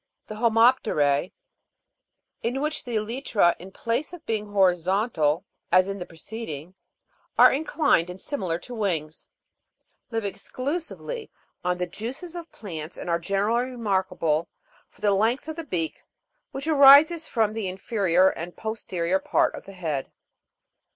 6. The HOMOP'TER^E, in which the elytra, in place of being horizontal as in the preceding, are inclined and similar to wings, live exclusively on the juices of plants, and are generally remark able for the length of the beak which arises from the inferior and posterior part of the head.